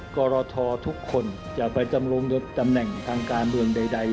กรททุกคนจะไปดำรงตำแหน่งทางการเมืองใด